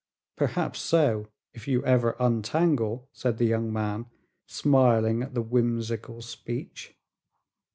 "Perhaps so if you ever untangle," said the young man, smiling at the whimsical speech.